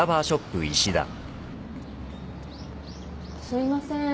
すいませーん。